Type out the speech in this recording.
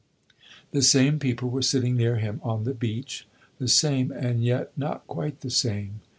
The same people were sitting near him on the beach the same, and yet not quite the same.